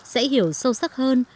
sẽ hiểu sâu sắc hơn